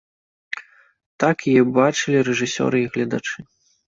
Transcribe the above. Так яе бачылі рэжысёры і гледачы.